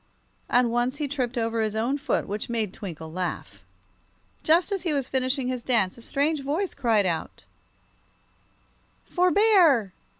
And once he tripped over his own foot, which made Twinkle laugh. Just as he was finishing his dance a strange voice cried out: "For bear!"